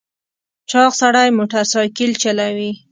چاغ سړی موټر سایکل چلوي .